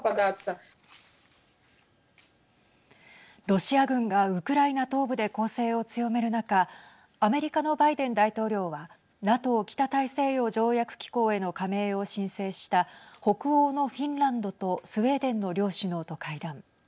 ロシア軍がウクライナ東部で攻勢を強める中アメリカのバイデン大統領はＮＡＴＯ＝北大西洋条約機構への加盟を申請した北欧のフィンランドとスウェーデンの両首脳と会談。